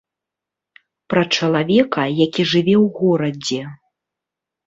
Пра чалавека, які жыве ў горадзе.